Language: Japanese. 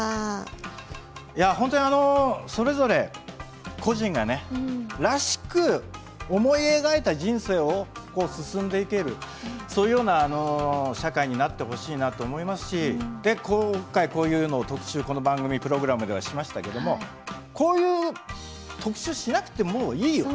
いやほんとにそれぞれ個人がねらしく思い描いた人生を進んでいけるそういうような社会になってほしいなと思いますしで今回こういうのを特集この番組プログラムではしましたけどもこういう特集しなくてもういいよ。